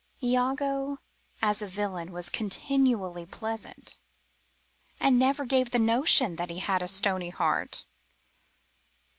Iago as a villain was continually pleasant, And never gave the notion that he had a stony heart.